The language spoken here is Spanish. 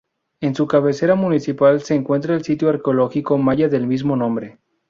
En su cabecera municipal se encuentra el sitio arqueológico maya del mismo nombre.